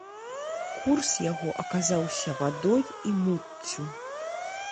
Курс яго аказаўся вадой і муццю.